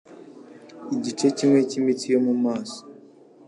igice kimwe cy'imitsi yo mu maso